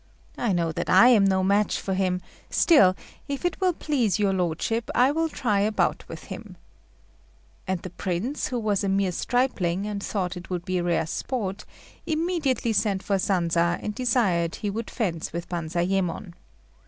I know that I am no match for him; still, if it will please your lordship, I will try a bout with him;" and the Prince, who was a mere stripling, and thought it would be rare sport, immediately sent for Sanza and desired he would fence with Banzayémon.